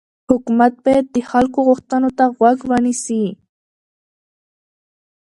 حکومت باید د خلکو غوښتنو ته غوږ ونیسي